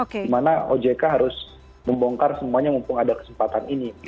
dimana ojk harus membongkar semuanya mumpung ada kesempatan ini